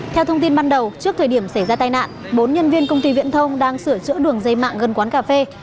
theo thông tin ban đầu trước thời điểm xảy ra tai nạn bốn nhân viên công ty viễn thông đang sửa chữa đường dây mạng gần quán cà phê